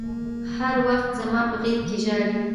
هر وخت زما په غېږ کښې ژاړي.